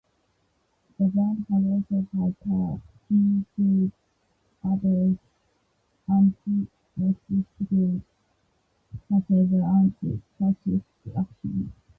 The band has also had ties to other anti-racist groups, such as Anti-Fascist Action.